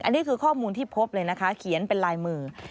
อันนี้คือข้อมูลที่พบเลยนะคะเขียนเป็นลายมือ